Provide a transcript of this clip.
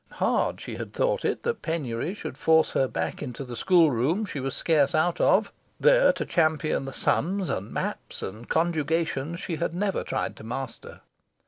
Hard she had thought it, that penury should force her back into the school room she was scarce out of, there to champion the sums and maps and conjugations she had never tried to master.